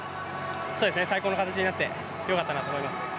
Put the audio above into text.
そうですね最高の形になってよかったなと思います。